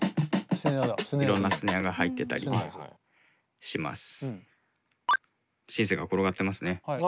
いろんなスネアが入ってたりします。